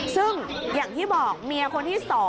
ซึ่งอย่างที่บอกเมียคนที่๒